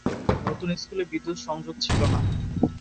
নতুন স্কুলে বিদ্যুৎ সংযোগ ছিল না।